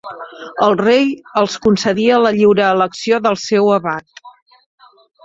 El rei els concedia la lliure elecció del seu abat.